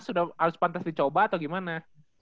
sudah harus pantas dicoba atau gimana